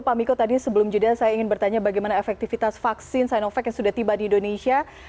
pak miko tadi sebelum jeda saya ingin bertanya bagaimana efektivitas vaksin sinovac yang sudah tiba di indonesia